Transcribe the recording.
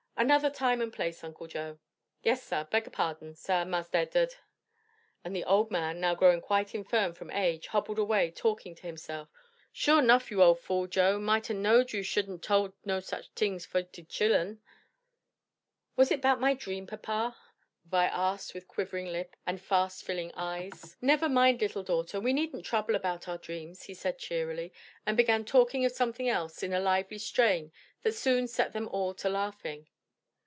"Another time and place, Uncle Joe." "Yes, sah, beg pardon, sah, Massa Edard," and the old man, now growing quite infirm from age, hobbled away talking to himself. "Sure nuff, you ole fool, Joe, might 'a knowed you shouldn't tole no such tings fo' de chillum." "Was it 'bout my dream, papa?" Vi asked with quivering lip and fast filling eyes. "Never mind, little daughter; we needn't trouble about our dreams," he said cheerily, and began talking of something else, in a lively strain that soon set them all to laughing.